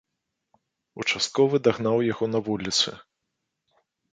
Участковы дагнаў яго на вуліцы.